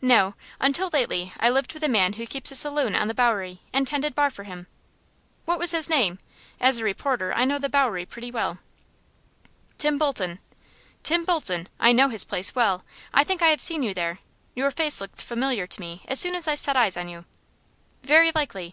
"No; until lately I lived with a man who keeps a saloon on the Bowery, and tended bar for him." "What was his name? As a reporter I know the Bowery pretty well." "Tim Bolton." "Tim Bolton? I know his place well. I think I must have seen you there. Your face looked familiar to me as soon as I set eyes on you." "Very likely.